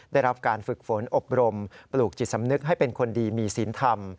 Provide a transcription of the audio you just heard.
ได้รับการฝึกฝนอบรมปลูกจิตสำนึกให้เป็นคนดีมีศีลธรรม